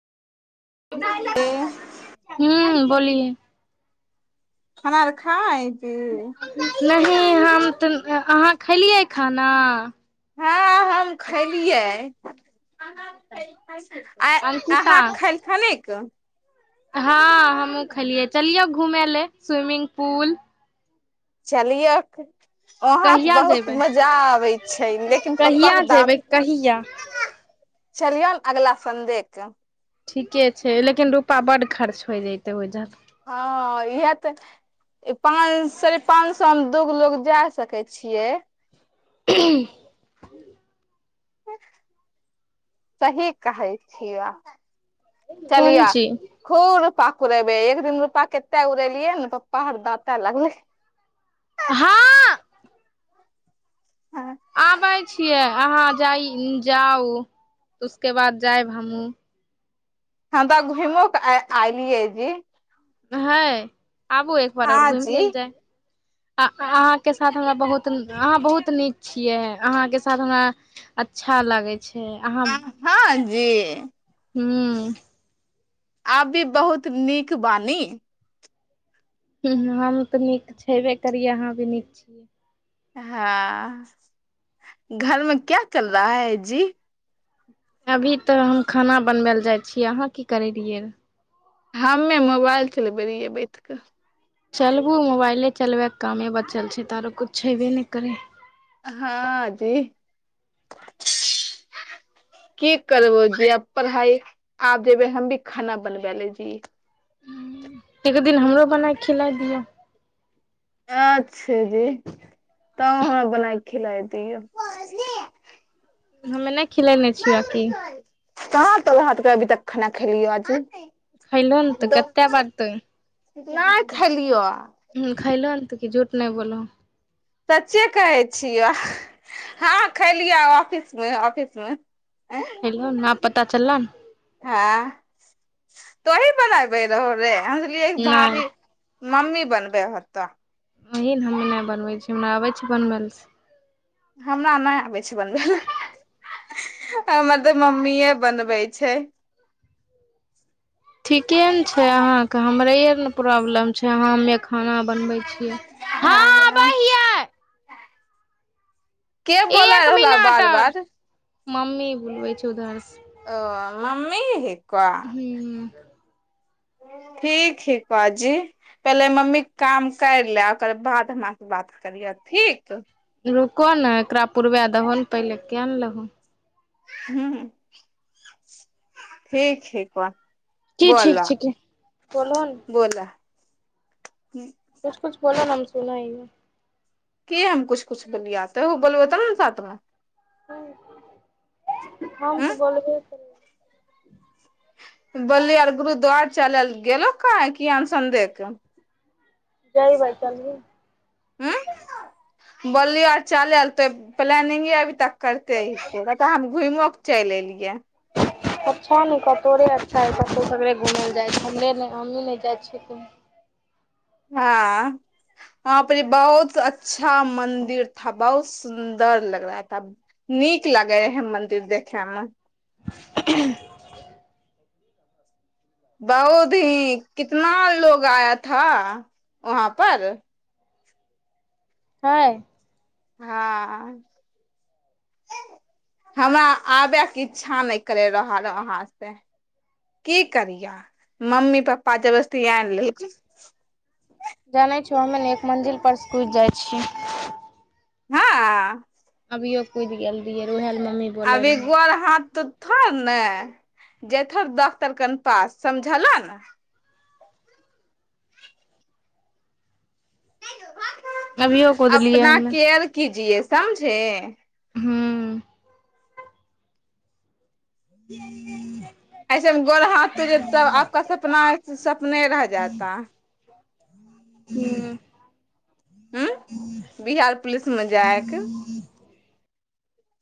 खाना हू बोलि खाना खाय पी [inaudible] नहि हम तऽ अहाँ खेलियै खाना खलियै अंकिता अहाँ खलखन हँ हमहूँ खेलियै चलियौ घूम ल स्विमिंग पूल चलििय वहाँ तऽ कहिया बहुत जेबै मजा आबै छै लेकिन पप्पा कहिया के दाँत जेबै कहिया चलियौन अगला सऺडे क ठीके छै लेकिन रुपा बड खर्च होइ जतै ओहिज हँ इह तऽ पाँच साढ़े पाँच सएमे दू गो लोग जा सकै छियै [unintelligible] सही कहै छिय कोन चलिया चीज खूब रूपा उड़ेबे एक दिन रुपा कते उड़ेलियै ने पप्पा हरदते लगलै ह हँ आबै छियै अहाँ जाइ जाउ उसके बाद जायब हमहूँ हम तऽ घुमो कऽ आ अयलियै जी ह आबू एक बार आओर हँ घुमि जी लेल ल जाइ अहाँके साथ हमरा बहुत अहाँ बहुत नीक छियै अहाँके साथ हमरा अच्छा लागै छै अहाँ हँ जी हूँ आब भी बहुत नीक बानी। ह हम तऽ नीक छेबे करियै अहाँ भी नीक छियै। [inaudible] हँ घरमे क्या चल रहा है जी [inaudible] अभी तऽ हम खाना बनबै लए जाइ छियै अहाँ की करै रहियै हमे मोबाइल चलबै रहियै बैठ कऽ चलबू मोबाइले चलबैके कामे बचल छै तऽ आरो किछु छेबे नहि करै हँ जी की करबो जी आब पढ़ाई आब जेबै हम भी खाना बनबै लेय जी एक दिन हमरो बनाक खिला दिअ अच्छा जी त हमरा बना क खिलााय दियऔ। हम नहि खिलाने छिय आ कि। कहाँ तक वहाँ त अभी तक खाना खेलियौ आजी खयलहो ने तऽ कतेक बार तुं नहि खेलिअ हूँ खइलन तऽ कि झूठ नहि बोलहु। स्चे कहै छियौ हँ खलियै ऑफिस मे ऑफिस मे। खैलोह न पता चलअ न हँ तोही बनाबे रहो रे एनलियै ने भाभी नहि मम्मी बनबै हत कुत्ता वही ने हमने नहि बनबै छी हमरा आबै छै बनबै ला सें हमरा नहि आबै छै बनबै ला हमर तऽ मम्मीए बनबै छै ठीके ने छै अहाँके हमरे आर ने प्रॉब्लम छै अहाँ हमे खाना बनबै छियै। आबै हँ हियै के बोल एक रहलौ मिनट बार आओर बार। मम्मी बुलबै छ उधर से। ओ मम्मी क [inaudible] हूँ ठीक है पाजी पहिले मम्मीके काम कर ला ओकर बाद हमर से बात करिह ठीक रुक ने एकरा पुरवा दहो ने पहिले क ने लहो हूँ ठीक हइ क की ठीक छिक बलन। हूँ कछ बोलो न हम सुन हिय की हम कुछ कुछ बोलिियाते बोलबे ते ने ने साथमे। हूँ हँ त हूँ बोलबे करय बोलली आर गुरुद्वार चलेल गेलो काहे कि सन्डे के जाइ भइ चल [inaudible] हूँ बोललियौ आ चलैला त प्लानिंगे अभी तक करते हऽ ताबे हम घुइमो क चलि एलियऐ अच्छा ने कतोरे अच्छा हइ कतहु सगरे घूमय लए जाइ छ हमरे नहि हमहीँ नहि जाइ छियै कहीं [inaudible] हँ वहाँ पर ई बहुत अच्छा मंदिर था बहुत सुन्दर लग रहा था [inaudible] नीक लागे रहै मंदिर देखे मे [inaudible] [inaudible] बहुत ही कितना लोग आया था वहाँ पर [inaudible] हय हँ हमरा आबयके इच्छा नहि करि रहल वहाँ से की करियै मम्मी पपा जबरदस्ती आइन लेल को जानै छयौ हमे ने एक मंजिल पर कुदि जाइ छियै हँ अ अभीयौ कुद गेल रियै ओहा ला मम्मी बोले अभी रहै गोर हाथ टूटतऽथो ने जेथह डॉक्टर कन पास समझल ने [inaudible] अभियो [inaudible] कुदलियै अपना हमे केयर कीजिए [inaudible] समझे [inaudible] हूँ ह [inaudible] ऐसेमे गोड़ हाथ टूट तो जे [inaudible] तब आपका सपना सपने रह जाता [inaudible] हूँ हूँ बिहार पुलिस मे जाएक